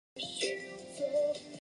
毕业于河北省馆陶县滩上中学。